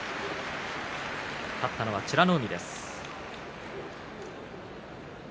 勝ったのは美ノ海です。